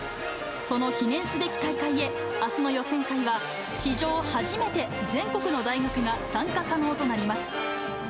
その記念すべき大会へ、あすの予選会は、史上初めて、全国の大学が参加可能となります。